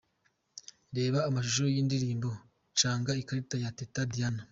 Reba amashusho y'indirimbo 'Canga ikarita' ya Teta Diana.